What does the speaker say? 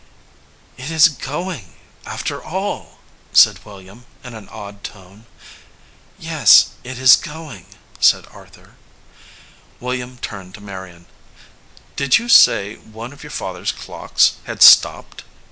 "It is going, after all," said William, in an awed tone. "Yes, it is going," said Arthur. William turned to Marion. "Did you say one of your father s clocks had stopped ?"